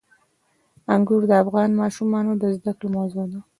انګور د افغان ماشومانو د زده کړې موضوع ده.